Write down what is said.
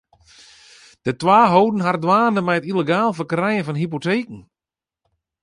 De twa holden har dwaande mei it yllegaal ferkrijen fan hypoteken.